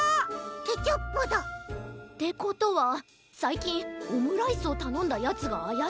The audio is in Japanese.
ケチャップだ！ってことはさいきんオムライスをたのんだヤツがあやしいな。